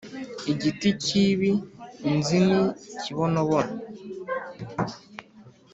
Igiti cyibi nzi ni ikibonobono